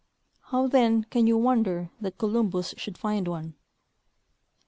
How, then, can you Avonder that Columbus should find one?